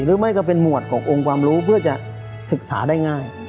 หรือไม่ก็เป็นหมวดขององค์ความรู้เพื่อจะศึกษาได้ง่าย